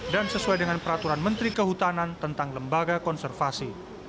sesuai dengan peraturan menteri kehutanan tentang lembaga konservasi